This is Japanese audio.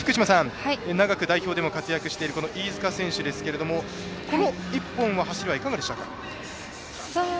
長く代表でも活躍しているこの飯塚選手ですがこの１本の走りはいかがですか。